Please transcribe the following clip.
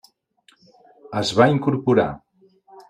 Es va incorporar.